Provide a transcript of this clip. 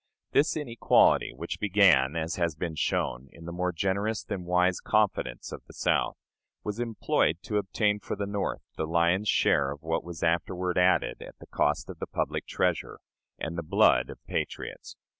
This inequality, which began, as has been shown, in the more generous than wise confidence of the South, was employed to obtain for the North the lion's share of what was afterward added at the cost of the public treasure and the blood of patriots.